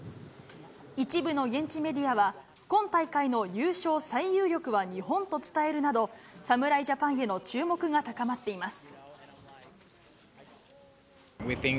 一部の現地メディアは、今大会の優勝最有力は日本と伝えるなど、侍ジャパンへの注目が高まっています。